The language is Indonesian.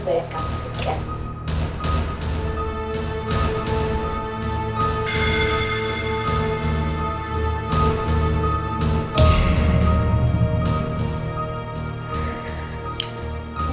bayar kamu sekian